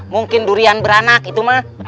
mungkin durian beranak itu mah